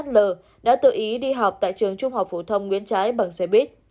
l đã tự ý đi học tại trường trung học phổ thông nguyễn trái bằng xe buýt